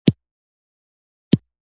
د دولت د منشا پېژندنه